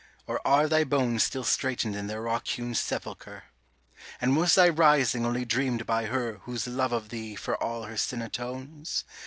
or are Thy bones Still straitened in their rock hewn sepulchre? And was Thy Rising only dreamed by her Whose love of Thee for all her sin atones?